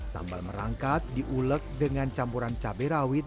sambal merangkat diulek dengan campuran cabai rawit